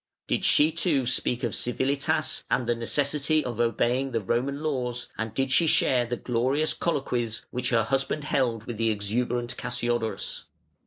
Did she too speak of civilitas and the necessity of obeying the Roman laws, and did she share the "glorious colloquies" which her husband held with the exuberant Cassiodorus?